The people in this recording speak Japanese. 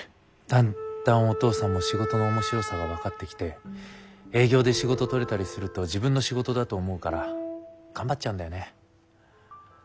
だんだんお父さんも仕事の面白さが分かってきて営業で仕事とれたりすると自分の仕事だと思うから頑張っちゃうんだよね。